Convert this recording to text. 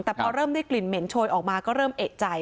แต่พอเริ่มได้กลิ่นเหม็นโชยออกมาก็เริ่มเอกใจ